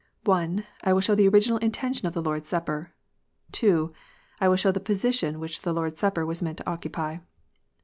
I. / will show the original intention of the Lord s Supper, II. / will show the position which the Lord s Supper was meant to occupy.